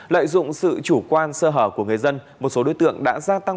lợi dụng sự chủ quan sơ hở của người dân một số đối tượng đã gia tăng